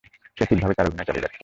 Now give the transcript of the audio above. সে ঠিকভাবে তার অভিনয় চালিয়ে যাচ্ছে।